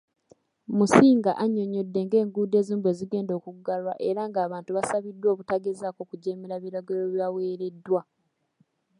Musinga annyonnyodde ng'enguudo ezimu bwe zigenda okuggalwa era ng'abantu basabiddwa obutagezaako kujeemera biragiro bibaweereddwa.